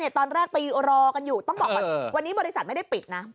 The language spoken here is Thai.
ตอนแรกไปรอกันอยู่ต้องบอกว่าวันนี้บริษัทไม่ได้ปิดนะ